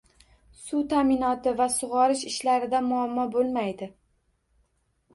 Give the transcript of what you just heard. Suv ta’minoti va sug‘orish ishlarida muammo bo‘lmaydi